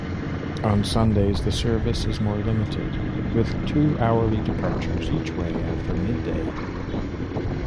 On Sundays the service is more limited, with two-hourly departures each way after midday.